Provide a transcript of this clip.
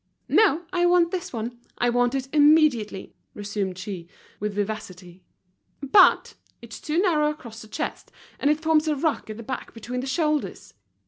"No, I want this one, I want it immediately," resumed she, with vivacity. "But it's too narrow across the chest, and it forms a ruck at the back between the shoulders."